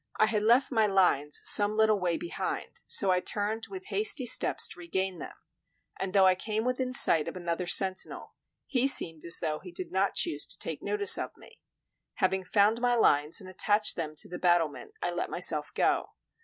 I had left my lines some little way behind, so I turned with hasty steps to regain them; and though I came within sight of another sentinel, he seemed as though he did not choose to take notice of me. Having found my lines and attached them to the battlement, I let myself go.